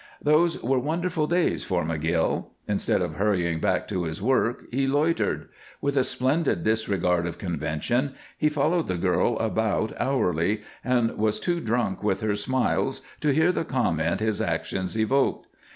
Those were wonderful days for McGill. Instead of hurrying back to his work he loitered. With a splendid disregard of convention he followed the girl about hourly and was too drunk with her smiles to hear the comment his actions evoked.